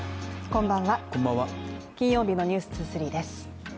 こんばんは、金曜日の「ｎｅｗｓ２３」です。